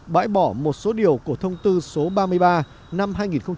bãi bỏ một số điều của thông tư số ba mươi ba năm hai nghìn một mươi